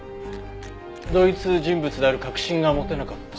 同一人物である確信が持てなかったと？